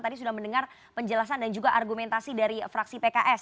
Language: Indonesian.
tadi sudah mendengar penjelasan dan juga argumentasi dari fraksi pks